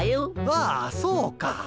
ああそうか。